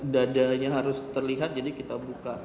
dadanya harus terlihat jadi kita buka